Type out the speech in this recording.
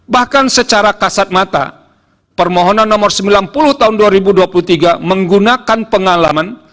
bahkan secara kasat mata permohonan nomor sembilan puluh tahun dua ribu dua puluh tiga menggunakan pengalaman